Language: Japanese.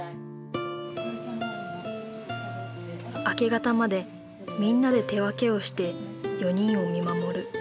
明け方までみんなで手分けをして４人を見守る。